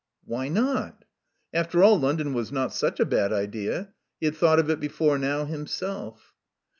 "Why not?" After all, London was not such a bad idea. He had thought of it before now himself.